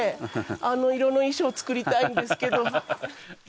あの色の衣装作りたいんですけど。